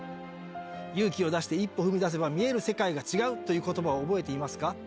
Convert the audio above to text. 勇気を出して一歩踏み出せば見える世界が違うということばを覚えていますか。